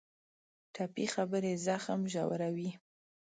ټپي خبرې زخم ژوروي.